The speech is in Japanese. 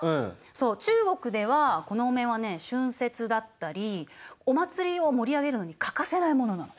そう中国ではこのお面はね春節だったりお祭りを盛り上げるのに欠かせないものなの。